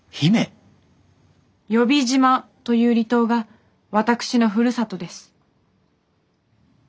「喚姫島」という離島が私のふるさとです。